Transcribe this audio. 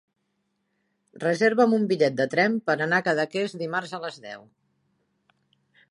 Reserva'm un bitllet de tren per anar a Cadaqués dimarts a les deu.